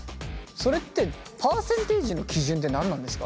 それってパーセンテージの基準って何なんですか？